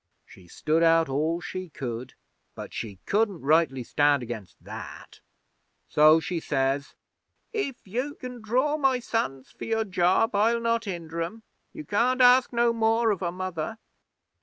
She stood out all she could, but she couldn't rightly stand against that. So she says: "If you can draw my sons for your job, I'll not hinder 'em. You can't ask no more of a Mother."